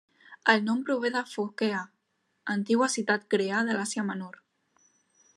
El nom prové de Focea, antiga ciutat grega de l'Àsia Menor.